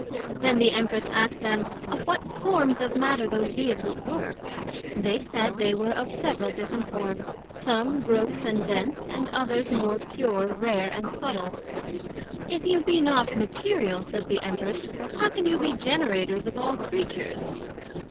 Then the Empress asked them, Of what forms of Matter those Vehicles were? They said they were of several different forms; some gross and dense, and others more pure, rare, and subtil. If you be not Material, said the Empress, how can you be Generators of all Creatures?